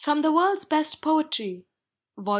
The WorldsVest Poetry Vol.!